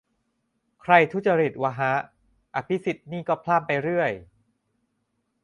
ใครทุจริตวะฮะ อภิสิทธิ์นี่ก็พล่ามไปเรื่อย